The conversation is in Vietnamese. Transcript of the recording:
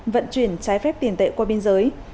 vận chuyển trái phép tiền tệ qua biên giới